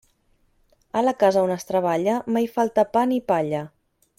A la casa on es treballa, mai falta pa ni palla.